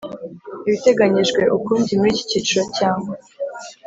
Ibiteganyijwe ukundi muri iki cyiciro cyangwa